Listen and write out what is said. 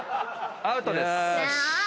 アウトです。